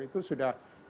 itu sudah cukup maju